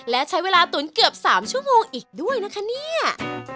และใช้เวลาตุ๋นเกือบ๓ชั่วโมงอีกด้วยนะคะเนี่ย